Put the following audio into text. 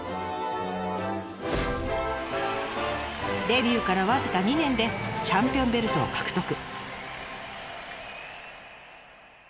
デビューから僅か２年でチャンピオンベルトを獲得。